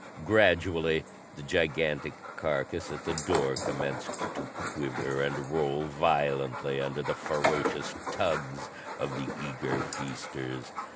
Gradually, the gigantic carcass at the door commenced to quiver and roll violently under the ferocious tugs of the eager feasters.